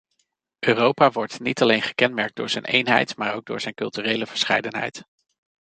Europa wordt niet alleen gekenmerkt door zijn eenheid, maar ook door zijn culturele verscheidenheid.